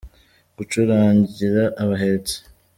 Gucurangira abahetsi.